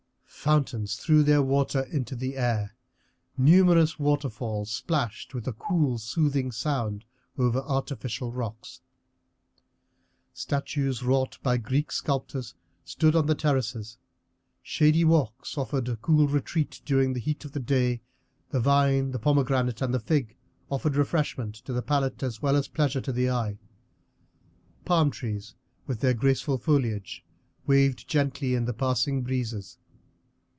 Fountains threw their water into the air, numerous waterfalls splashed with a cool, soothing sound over artificial rocks. Statues wrought by Greek sculptors stood on the terraces, shady walks offered a cool retreat during the heat of the day, the vine, the pomegranate, and the fig afforded refreshment to the palate as well as pleasure to the eye. Palm trees with their graceful foliage waved gently in the passing breezes.